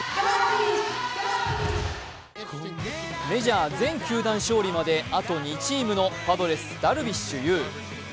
メジャー全球団勝利まであと２チームのパドレス・ダルビッシュ有。